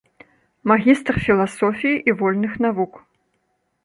Магістр філасофіі і вольных навук.